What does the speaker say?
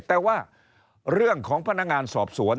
แต่ว่าเรื่องของพนักงานสอบสวน